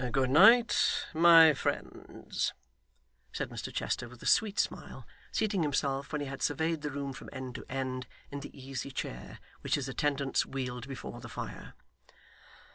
'Good night, my friends,' said Mr Chester with a sweet smile, seating himself, when he had surveyed the room from end to end, in the easy chair which his attendants wheeled before the fire.